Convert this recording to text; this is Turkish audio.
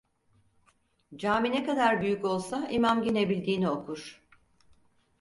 Cami ne kadar büyük olsa imam gene bildiğini okur.